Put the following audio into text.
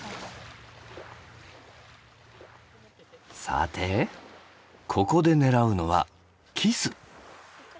さてここで狙うのはキス。